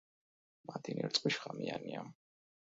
მათი ნერწყვი შხამიანია.